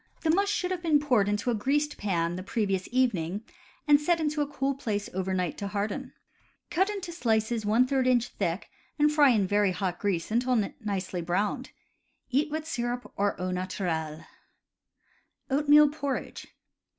The mush should have been poured into a greased pan the previous evening, and set in a cool place over night to harden. Cut into slices J inch thick, and fry in very hot grease until nicely browned. Eat with syrup, or au naturel. Oatmeal Porridge.